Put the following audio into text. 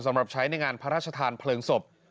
สำหรับใช้ในงานพระราชทานเพลิงศพ